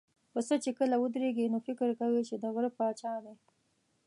پسه چې کله ودرېږي، نو فکر کوي چې د غره پاچا دی.